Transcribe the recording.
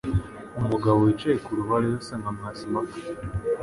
Umugabo wicaye ku rubaraza asa nka Mpazimpaka.